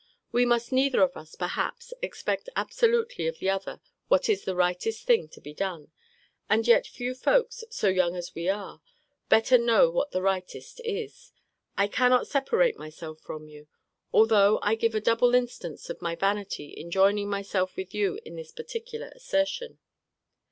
We must neither of us, perhaps, expect absolutely of the other what is the rightest thing to be done: and yet few folks, so young as we are, better know what the rightest is. I cannot separate myself from you; although I give a double instance of my vanity in joining myself with you in this particular assertion.